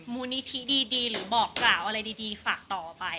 มูลนิธิดีหรือบอกกล่าวอะไรดีฝากต่อไป